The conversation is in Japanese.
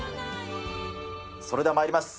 それではまいります。